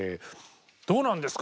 どうなんですか？